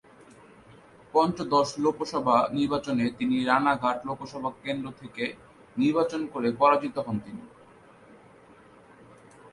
পঞ্চদশ লোকসভা নির্বাচনে তিনি রানাঘাট লোকসভা কেন্দ্র থেকে নির্বাচন করে পরাজিত হন তিনি।